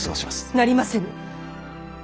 なりませぬ。